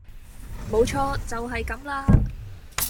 冇錯，就係咁啦